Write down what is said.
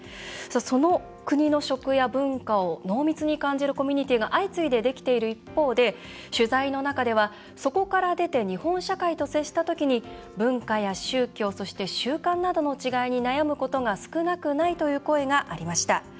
その国の食や文化を濃密に感じるコミュニティーが相次いでできている一方で取材の中では、そこから出て日本社会と接した時に文化や宗教、そして習慣などの違いに悩むことが少なくないという声がありました。